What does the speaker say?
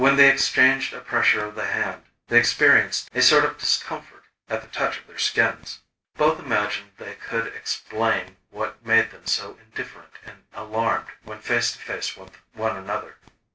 When they exchanged a pressure of the hand, they experienced a sort of discomfort at the touch of their skins. Both imagined they could explain what made them so indifferent and alarmed when face to face with one another.